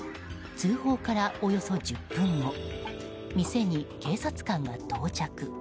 通報から、およそ１０分後店に警察官が到着。